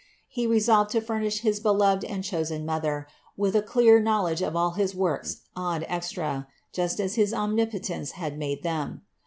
He resolved to furnish his beloved and chosen Mother with a clear knowledge of all his works ad extra, just as his Omnipotence had made them.